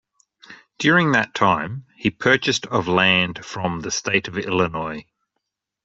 During that time, he purchased of land from the State of Illinois.